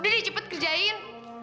udah deh cepet kerjain